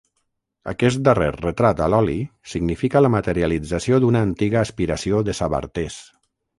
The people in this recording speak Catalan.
Aquest darrer retrat a l'oli significa la materialització d'una antiga aspiració de Sabartés.